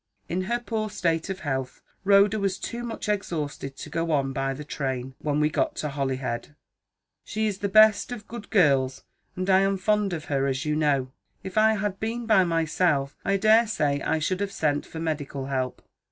In her poor state of health, Rhoda was too much exhausted to go on by the train, when we got to Holyhead. She is the best of good girls, and I am fond of her, as you know. If I had been by myself, I daresay I should have sent for medical help.